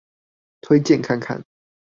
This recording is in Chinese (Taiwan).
推薦看看。